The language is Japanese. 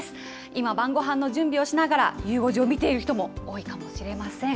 今、晩ごはんの準備をしながら、ゆう５時を見ている人も多いかもしれません。